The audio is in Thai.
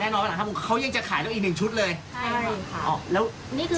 อ่าแน่นอนว่าหลังห้าโมงเขายังจะขายต้องอีกหนึ่งชุดเลยใช่ค่ะอ๋อแล้วนี่คือ